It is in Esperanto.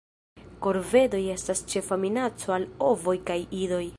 Korvedoj estas ĉefa minaco al ovoj kaj idoj.